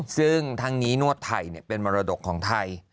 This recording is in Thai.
ซึ่งทั้งนี้นวดไทยเป็นมรดกของไทย